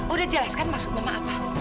udah jelaskan maksud mama apa